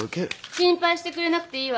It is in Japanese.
心配してくれなくていいわ。